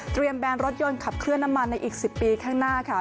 เตรียมแบนรถยนต์ขับเครื่อนน้ำมันในอีก๑๐ปีข้างหน้า